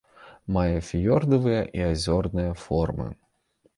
Мае фіёрдавыя і азёрныя формы.